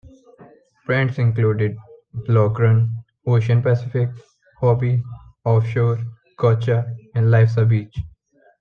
Brands included BlauGrun, Ocean Pacific, Hobie, Off Shore, Gotcha and Life's a Beach.